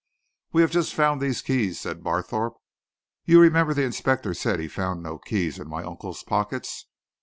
"We have just found these keys," said Barthorpe. "You remember the inspector said he found no keys in my uncle's pockets?